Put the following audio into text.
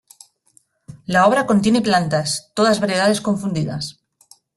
La obra contiene plantas, todas variedades confundidas.